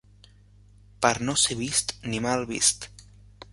Per no ser vist ni mal vist